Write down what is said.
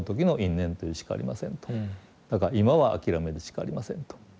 だから今は諦めるしかありませんと。